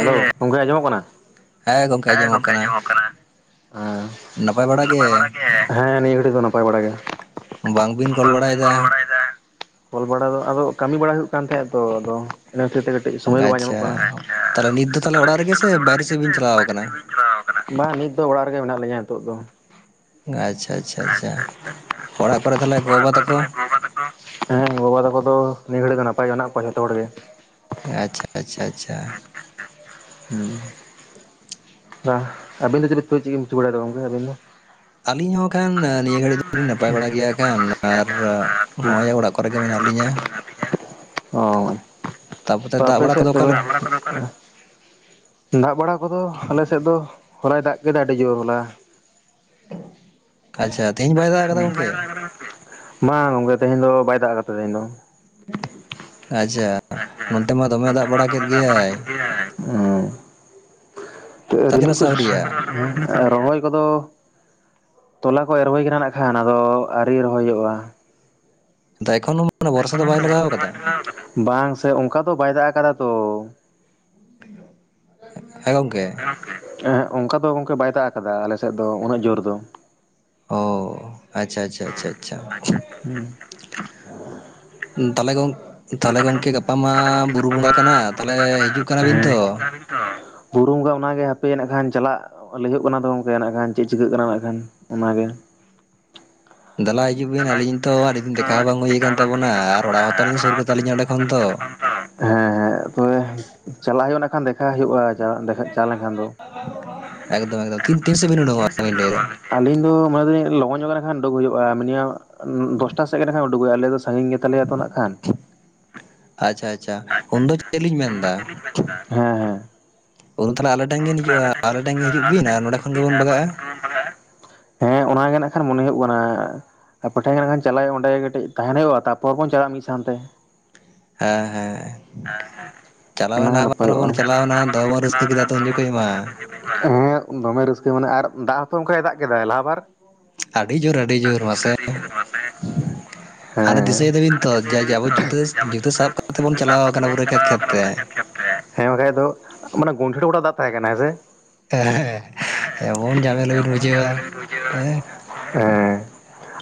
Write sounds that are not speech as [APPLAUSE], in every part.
ᱦᱮᱸ ᱜᱚᱝᱠᱮ ᱟᱸᱡᱚᱢᱚᱜ ᱠᱟᱱᱟ᱾ ᱦᱮᱸ ᱜᱚᱝᱠᱮ ᱟᱸᱡᱚᱢᱚᱜ ᱠᱟᱱᱟ ᱦᱮᱸ ᱱᱟᱯᱟᱭ ᱵᱟᱲᱟ ᱜᱮ? ᱦᱮᱸ ᱱᱤᱭᱟᱹ ᱜᱷᱟᱹᱲᱤᱡ ᱫᱚ ᱱᱟᱯᱟᱭ ᱵᱟᱲᱟ ᱜᱮ᱾ ᱵᱟᱝᱵᱤᱱ ᱠᱚᱞ ᱵᱟᱲᱟᱭᱮᱫᱟ᱾ ᱠᱚᱞ ᱵᱟᱲᱟ ᱫᱚ ᱟᱫᱚ ᱠᱟᱹᱢᱤ ᱵᱟᱲᱟ ᱦᱩᱭᱩᱜ ᱠᱟᱱ ᱛᱟᱦᱮᱸᱦᱼᱟ ᱛᱚ ᱟᱫᱚ ᱤᱱᱟᱹ ᱠᱷᱟᱹᱛᱤᱨ ᱛᱮ ᱠᱟᱹᱴᱤᱡ ᱥᱚᱢᱚᱭ ᱫᱚ ᱵᱟᱭ ᱧᱟᱢᱚᱜ ᱠᱟᱱᱟ᱾ ᱛᱟᱦᱞᱮ ᱱᱤᱛ ᱫᱚ ᱛᱟᱦᱞᱮ ᱚᱲᱟᱜ ᱨᱮᱜᱮ ᱥᱮ ᱵᱟᱭᱨᱮ ᱥᱮᱫ ᱵᱤᱱ ᱪᱟᱞᱟᱣ ᱟᱠᱟᱱᱟ᱾ ᱪᱟᱞᱟᱣ ᱟᱠᱟᱱᱟ, ᱵᱟᱝ ᱱᱤᱛ ᱫᱚ ᱚᱲᱟᱜ ᱨᱮᱜᱮ ᱢᱮᱱᱟᱜ ᱞᱤᱧᱟᱹ ᱱᱤᱛᱚᱜ ᱫᱚ᱾ ᱟᱪᱪᱷᱟ ᱟᱪᱪᱷᱟ ᱟᱪᱪᱷᱟ ᱚᱲᱟᱜ ᱠᱚᱨᱮ ᱛᱟᱦᱚᱞᱮ ᱜᱚᱵᱟ ᱛᱟᱠᱚᱼᱼ ᱛᱟᱦᱞᱮ ᱜᱚ ᱵᱟ ᱛᱟᱠᱚ ᱦᱮᱸ ᱵᱟᱵᱟ ᱛᱟᱠᱚ ᱫᱚ ᱱᱤᱭᱟᱹ ᱜᱷᱟᱹᱲᱤᱡ ᱫᱚ ᱱᱟᱯᱟᱭ ᱢᱮᱱᱟᱜ ᱠᱚᱣᱟ ᱡᱷᱚᱛᱚ ᱦᱚᱲ ᱜᱮ᱾ ᱟᱪᱪᱷᱟ ᱟᱪᱪᱷᱟ ᱟᱪᱪᱷᱟ ᱦᱩᱸ ᱟᱹᱵᱤᱱ ᱫᱚ ᱪᱮᱫ ᱠᱚ ᱵᱤᱱ ᱪᱤᱠᱟ ᱵᱟᱲᱟᱭᱫᱟ ᱜᱚᱝᱠᱮ ᱟᱵᱤᱱ ᱫᱚ? ᱟᱹᱞᱤᱧ ᱦᱚᱸ ᱠᱷᱟᱱ ᱱᱤᱭᱟᱹ ᱜᱷᱟᱹᱲᱤᱡ ᱫᱚᱞᱤᱧ ᱱᱟᱯᱟᱭ ᱵᱟᱲᱟ ᱜᱮᱭᱟ ᱠᱷᱟᱱ ᱟᱨ ᱱᱚᱜᱼᱚᱭ ᱚᱲᱟᱜ ᱠᱚᱨᱮᱜ ᱜᱮ ᱢᱮᱱᱟᱜ ᱞᱤᱧᱟᱹ᱾ ᱦᱚᱸ ᱛᱟᱯᱚᱛᱮ ᱛᱚ ᱫᱟᱜ ᱟᱯᱮ ᱵᱟᱲᱟ ᱥᱮᱫ ᱠᱚᱫᱚ ᱛᱚᱵᱮ ᱚᱠᱟᱞᱮ [UNINTELLIGIBLE] ᱫᱟᱜ ᱵᱟᱲᱟ ᱠᱚᱫᱚ ᱟᱞᱮᱥᱮᱫ ᱫᱚ ᱦᱚᱞᱟᱭ ᱫᱟᱜ ᱠᱮᱫᱟ ᱟᱹᱰᱤ ᱡᱳᱨ ᱦᱚᱞᱟ᱾ ᱟᱪᱪᱷᱟ ᱛᱤᱦᱤᱧ ᱵᱟᱭ ᱫᱟᱜ ᱟᱠᱟᱫᱟ ᱜᱚᱝᱠᱮ᱾ [UNINTELLIGIBLE] ᱢᱟ ᱜᱚᱝᱠᱮ ᱛᱮᱦᱮᱧ ᱫᱚ ᱵᱟᱭ ᱫᱟᱜ ᱟᱠᱟᱫᱟ ᱛᱮᱦᱮᱧ ᱫᱚ᱾ ᱟᱪᱪᱷᱟ [UNINTELLIGIBLE] ᱱᱚᱱᱛᱮ ᱢᱟ ᱫᱚᱢᱮ ᱫᱟᱜ ᱵᱟᱲᱟ ᱠᱮᱫ ᱜᱮᱭᱟᱭ᱾ ᱦᱮᱸ ᱫᱟᱜ ᱠᱟᱱᱟ ᱥᱮ ᱟᱹᱣᱨᱤᱭᱟ [UNINTELLIGIBLE] ᱨᱚᱦᱚᱭ ᱠᱚᱫᱚ ᱛᱚᱞᱟ ᱠᱚ ᱮᱨᱚᱦᱚᱭ ᱠᱟᱱᱟ ᱱᱟ ᱠᱷᱟᱱ ᱟᱫᱚ ᱟᱹᱣᱨᱤ ᱨᱚᱦᱚᱭ ᱦᱚᱭᱚᱜᱼᱟ ᱾ ᱫᱟ ᱮᱠᱷᱚᱱᱳᱼᱼ ᱮᱠᱷᱚᱱᱳ ᱢᱟᱱᱮ ᱵᱚᱨᱥᱟ ᱵᱟᱝ ᱪᱟᱞᱟᱣ ᱠᱟᱱᱟ? ᱵᱟᱝ ᱥᱮ ᱚᱱᱠᱟ ᱫᱚ ᱵᱟᱭ ᱫᱟᱜ ᱟᱠᱟᱫᱟ ᱛᱚ ᱾ ᱦᱮᱸ ᱜᱚᱝᱠᱮ ᱾ ᱦᱮ ᱚᱱᱠᱟ ᱫᱚ ᱜᱚᱝᱠᱮ ᱵᱟᱭ ᱫᱟᱜ ᱟᱠᱟᱫᱟ ᱟᱞᱮ ᱥᱮᱫ ᱫᱚ ᱩᱱᱟᱹᱜ ᱡᱳᱨ ᱫᱚ ᱾ ᱚᱻ ᱟᱪᱪᱷᱟ ᱟᱪᱪᱷᱟ ᱟᱪᱪᱷᱟ ᱟᱪᱪᱷᱟ ᱾ [UNINTELLIGIBLE] ᱛᱟᱦᱚᱞᱮ ᱜᱚᱝ ᱛᱟᱦᱚᱞᱮ ᱜᱚᱝᱠᱮ ᱜᱟᱯᱟ ᱢᱟ ᱵᱩᱨᱩ ᱵᱚᱸᱜᱟ ᱠᱟᱱᱟ ᱛᱟᱦᱚᱞᱮ ᱦᱤᱡᱩᱜ ᱠᱟᱱᱟ ᱵᱤᱱ ᱛᱚ? ᱚ ᱵᱩᱨᱩ ᱵᱚᱸᱜᱟ ᱚᱱᱟᱜᱮ ᱦᱟᱯᱮ ᱤᱱᱟᱹ ᱠᱷᱟᱱ ᱪᱟᱞᱟᱜᱼᱼ ᱞᱟᱹᱭ ᱦᱩᱭᱩᱜ ᱠᱟᱱᱟ ᱛᱚ ᱜᱚᱝᱠᱮ ᱤᱱᱟᱹ ᱠᱷᱟᱱ ᱪᱮᱫ ᱪᱤᱠᱟᱹᱜ ᱠᱟᱱᱟ ᱱᱟᱜ ᱠᱷᱟᱱ ᱚᱱᱟᱜᱮᱼᱼ ᱫᱮᱞᱟ ᱦᱤᱡᱩᱜ ᱵᱤᱱ ᱟᱹᱞᱤᱧ ᱛᱚ ᱟᱹᱰᱤ ᱫᱤᱱ ᱫᱮᱠᱷᱟᱣ ᱵᱟᱝ ᱦᱩᱭ ᱠᱟᱱᱼᱼ ᱛᱟᱵᱚᱱᱟ ᱟᱨ ᱚᱲᱟᱜ ᱦᱚᱸ ᱛᱟᱞᱤᱧ ᱥᱩᱨ ᱜᱮ ᱛᱟᱞᱤᱧᱟ ᱚᱰᱮ ᱠᱷᱚᱱ ᱫᱚ ᱾ ᱦᱮᱸ ᱦᱮᱸ ᱛᱚᱵᱮ ᱪᱟᱞᱟᱜ ᱦᱩᱭᱩᱜᱼᱟ ᱤᱱᱟᱹ ᱠᱷᱟᱱ ᱫᱮᱷᱟ ᱦᱩᱭᱩᱜᱼᱟ, ᱡᱟ ᱫᱮᱠᱷᱟᱡᱼᱼ ᱪᱟ ᱞᱮᱱᱠᱷᱟᱱ ᱫᱚ, ᱮᱠᱫᱚᱢ ᱮᱠᱫᱚᱢ ᱛᱤᱱ ᱛᱤᱱ ᱥᱮᱫ ᱵᱤᱱ ᱩᱰᱩᱝᱚᱜᱼᱟ ᱮᱠᱫᱚᱢ ᱵᱤᱱ ᱞᱟᱹᱭ ᱮᱠᱫᱚᱢ ᱮᱫᱟ [UNINTELLIGIBLE] ᱟᱹᱞᱤᱧ ᱫᱚ ᱢᱚᱱᱮ ᱮᱫᱟᱤᱧ ᱞᱚᱜᱚᱱ ᱡᱚᱜᱟᱣ ᱞᱮᱠᱷᱟᱱ ᱩᱰᱩᱠ ᱦᱩᱭᱩᱜᱼᱟ, ᱢᱤᱱᱤᱢᱟᱢ ᱫᱚᱥᱴᱟ ᱥᱮᱫ ᱜᱮ ᱠᱷᱟᱱ ᱩᱰᱩᱚᱜ ᱦᱩᱭᱩᱜᱼᱟ ᱟᱞᱮ ᱫᱚ ᱥᱟᱺᱜᱤᱧ ᱜᱮᱼᱼ ᱛᱟᱞᱮᱭᱟ ᱛᱚ ᱱᱟᱜ ᱠᱷᱟᱱᱼᱼ ᱟᱪᱪᱷᱟ ᱟᱪᱪᱷᱟ ᱩᱱᱫᱚ ᱪᱮᱫ ᱞᱤᱧ ᱢᱮᱱᱫᱟ ᱾ ᱦᱮᱸ ᱦᱮᱸ᱾ ᱴᱷᱮᱱ ᱜᱮ [UNINTELLIGIBLE] ᱱᱚᱰᱮ ᱦᱤᱡᱩᱜᱼᱟ ᱟᱞᱮ ᱴᱷᱮᱱ ᱜᱮ ᱦᱤᱡᱩᱜ ᱵᱤᱱ ᱟᱨ ᱱᱚᱸᱰᱮ ᱠᱷᱚᱱ ᱠᱷᱚᱱ ᱜᱮᱵᱚᱱ ᱵᱟᱜᱟᱜᱼᱟ ᱵᱤᱱ ᱵᱟᱜᱟᱜᱼᱟ ᱾ ᱦᱮᱸ ᱚᱱᱟᱜᱮ ᱱᱟᱜ ᱠᱷᱟᱱ ᱢᱚᱱᱮ ᱦᱩᱭᱩᱜ ᱠᱟᱱᱟ ᱾ ᱟᱯᱮ ᱴᱷᱮᱱ ᱠᱷᱟᱱ ᱪᱟᱞᱟᱜ ᱦᱩᱭᱩᱜᱼᱟ ᱚᱸᱰᱮ ᱠᱟᱹᱴᱤᱡ ᱛᱟᱦᱮᱱ ᱦᱩᱭᱩᱜᱼᱟ ᱛᱟᱯᱚᱨ ᱵᱚᱱ ᱪᱟᱞᱟᱜᱼᱟ ᱢᱤᱫ ᱥᱟᱶᱛᱮ ᱾ ᱦᱮᱸ ᱦᱮᱸ ᱾ ᱪᱟᱞᱟᱣᱱᱟ ᱚᱱᱟᱜᱮ ᱟᱵᱟᱨ ᱱᱟᱯᱟᱭᱚᱜᱼᱟ ᱵᱚᱱ ᱪᱟᱞᱟᱣᱱᱟ ᱫᱚᱢᱮ ᱵᱚᱱ ᱨᱟᱹᱥᱠᱟᱹ ᱠᱮᱫᱟ ᱛᱚ ᱩᱱ ᱡᱚᱠᱷᱚᱡ ᱢᱟ ᱾ ᱦᱮᱸ ᱫᱚᱢᱮ ᱨᱟᱹᱥᱠᱟᱹ ᱢᱟᱱᱮ ᱟᱨ ᱫᱟᱜ ᱦᱚᱸᱛᱚ ᱚᱱᱠᱟᱭ ᱫᱟᱜ ᱠᱮᱫᱟᱭ ᱞᱟᱦᱟ ᱵᱟᱨ ᱟᱹᱰᱤ ᱡᱳᱨ ᱟᱹᱰᱤ ᱾ ᱡᱳᱨ ᱟᱫᱚ ᱡ ᱢᱟᱥᱮ ᱟᱫᱚᱤᱫ ᱢᱟᱥᱮ ᱦᱟᱱᱮ ᱫᱤᱥᱟᱹᱭ ᱫᱟᱵᱤᱱ ᱛᱚ ᱡᱮ ᱡᱮ ᱟᱵᱚ ᱡᱩᱛᱟᱹ ᱡᱩᱛᱟᱹ [UNINTELLIGIBLE] ᱦᱮᱸ ᱥᱟᱵ [UNINTELLIGIBLE] ᱾ ᱠᱟᱛᱮ ᱵᱚᱱ ᱟᱠᱟᱱᱟ ᱯᱩᱨᱟᱹ ᱠᱷᱮᱛ ᱪᱟᱞᱟᱣ ᱠᱷᱮᱛ ᱠᱟᱱᱟ ᱛᱮ ᱵᱚᱱ ᱦᱮ ᱵᱟᱠᱷᱟᱡ ᱫᱚ ᱢᱟᱱᱮ ᱜᱚᱱᱴᱷᱮᱲ ᱠᱚ ᱛᱮ ᱫᱟᱜ ᱛᱟᱦᱮᱸ ᱠᱟᱱᱟ ᱦᱮᱸᱥᱮ? ᱦᱮᱸ ᱮᱢᱚᱱ ᱡᱷᱟᱢᱮᱞᱟ ᱵᱤᱱ ᱵᱩᱡᱷᱟᱹᱣᱟ ᱦᱮᱸ ᱾ ᱦᱮᱸ